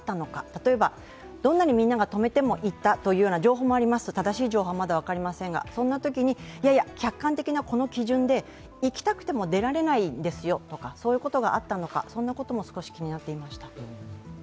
例えばどんなにみんなが止めても行ったという情報もあります、正しい情報はまだ分かりませんが、そんなときにいやいや、客観的なこの基準で行きたくても出られないですよとか、そういうことがあったのか、そんなことも少し気になっていました。